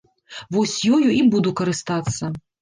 Вось ёю і буду карыстацца.